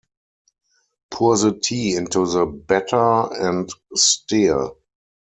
Pour the tea into the batter and stir.